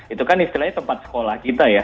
itu kan istilahnya tempat sekolah kita ya